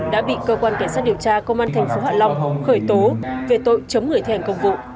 đã bị cơ quan kiểm soát điều tra công an thành phố hạ long khởi tố về tội chấm người thi hành công vụ